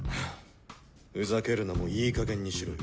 ふざけるのもいいかげんにしろよ。